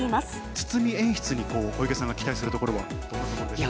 堤演出に小池さんが期待するところはどういうところでしょう。